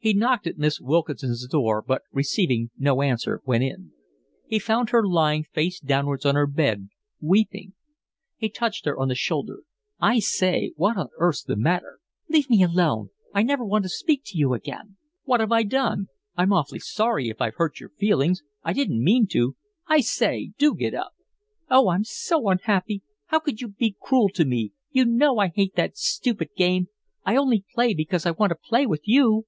He knocked at Miss Wilkinson's door, but receiving no answer went in. He found her lying face downwards on her bed, weeping. He touched her on the shoulder. "I say, what on earth's the matter?" "Leave me alone. I never want to speak to you again." "What have I done? I'm awfully sorry if I've hurt your feelings. I didn't mean to. I say, do get up." "Oh, I'm so unhappy. How could you be cruel to me? You know I hate that stupid game. I only play because I want to play with you."